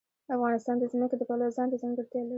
افغانستان د ځمکه د پلوه ځانته ځانګړتیا لري.